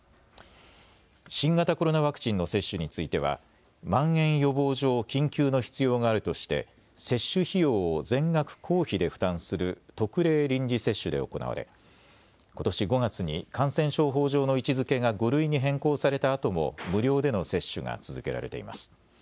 新型コロナワクチンの接種については、まん延予防上緊急の必要があるとして接種費用を全額公費で負担する特例臨時接種で行われことし５月に感染症法上の位置づけが５類に変更されたあとも無料での接種が続けられています。